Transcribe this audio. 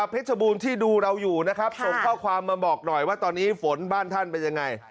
บูรณ์ที่ดูเราอยู่นะครับส่งข้อความมาบอกหน่อยว่าตอนนี้ฝนบ้านท่านเป็นยังไง